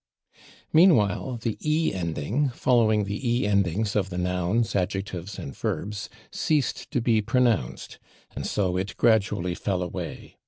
Meanwhile, the / e/ ending, following the / e/ endings of the nouns, adjectives and verbs, ceased to be pronounced, and so it gradually fell away.